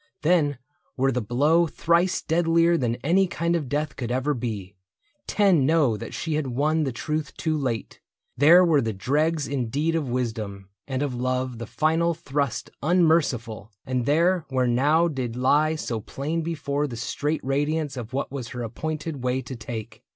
Then were the blow Thrice deadlier than any kind of death Could ever be : 10 know that she had won The truth too late — there were the dregs in deed Of wisdom, and of love the final thrust Unmerciful ; and there where now did lie So plain before her the straight radiance Of what was her appointed way to take.